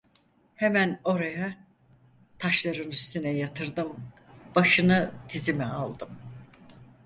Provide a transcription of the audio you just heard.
Hemen oraya, taşların üstüne yatırdım, başını dizime aldım.